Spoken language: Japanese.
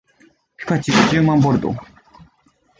ピカチュウじゅうまんボルト